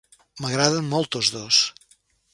M'agraden molt, tots dos.